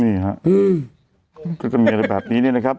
นี่ฮะก็จะมีอะไรแบบนี้เนี่ยนะครับ